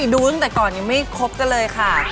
ดูตั้งแต่ก่อนยังไม่คบกันเลยค่ะ